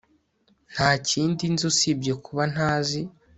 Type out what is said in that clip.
nta kindi nzi usibye kuba ntazi